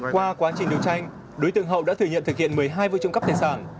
qua quá trình đấu tranh đối tượng hậu đã thừa nhận thực hiện một mươi hai vụ trộm cắp tài sản